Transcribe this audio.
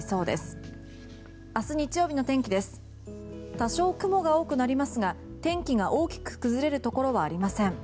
多少、雲が多くなりますが天気が大きく崩れるところはありません。